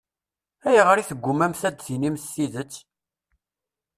Ayɣer i teggummamt ad d-tinimt tidet?